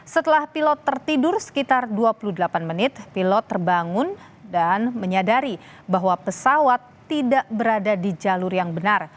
setelah pilot tertidur sekitar dua puluh delapan menit pilot terbangun dan menyadari bahwa pesawat tidak berada di jalur yang benar